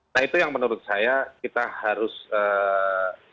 nah itu yang menurut saya kita harus